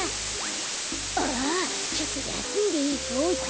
ああちょっとやすんでいこうっと。